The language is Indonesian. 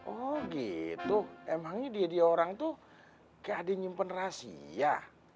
oh gitu emangnya dia dia orang tuh kayak di nyimpen rahasia